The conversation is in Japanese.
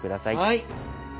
はい。